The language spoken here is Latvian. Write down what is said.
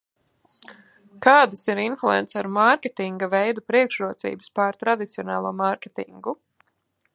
Kādas ir influenceru mārketinga veida priekšrocības pār tradicionālo mārketingu?